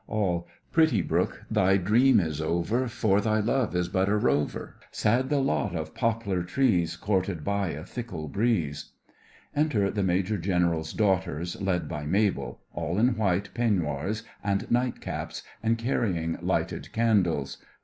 ALL: Pretty brook, thy dream is over, For thy love is but a rover; Sad the lot of poplar trees, Courted by a fickle breeze! (Enter the MAJOR GENERAL's daughters, led by MABEL, all in white peignoirs and night caps, and carrying lighted candles.)